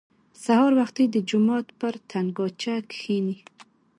سهار وختي د جومات پر تنګاچه کښېني.